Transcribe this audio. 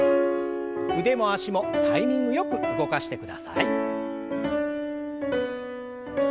腕も脚もタイミングよく動かしてください。